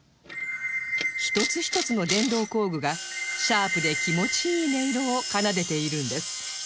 一つ一つの電動工具がシャープで気持ちいい音色を奏でているんです